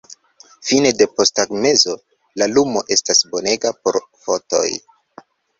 Fine de postagmezo, la lumo estas bonega por fotoj.